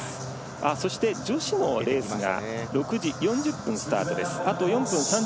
そして女子のレースが６時４０分スタートです。